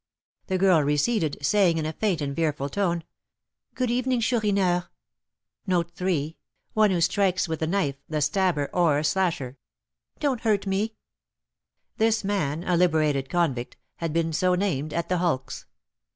The girl receded, saying, in a faint and fearful tone, "Good evening, Chourineur. Don't hurt me." One who strikes with the knife; the stabber, or slasher. This man, a liberated convict, had been so named at the hulks.